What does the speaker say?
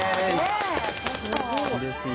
うれしい。